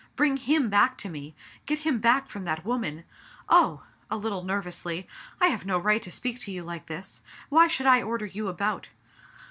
" Bring him back to me, get him back from that woman. Oh!*' a little nervously, "I have no right to speak to you like this. Why should I order you about